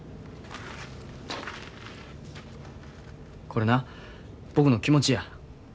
これな僕の気持ちや。